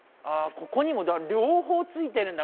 ここにもだから両方ついてるんだ